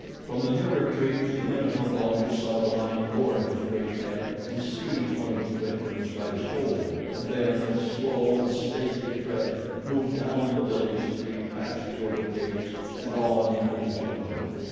From the nearer trees the men of Mbonga saw the lion lower his great head and seize one of his victims by the shoulder and then with slow and stately tread move down the village street past the open gates and on into the jungle.